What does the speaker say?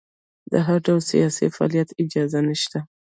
د هر ډول سیاسي فعالیت اجازه نشته.